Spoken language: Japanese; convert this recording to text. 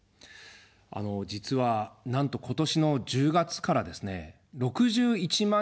実は、なんと今年の１０月からですね、６１万